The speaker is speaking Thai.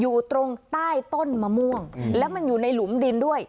อยู่ตรงใต้ต้นมะม่วงแล้วมันอยู่ในหลุมดินด้วย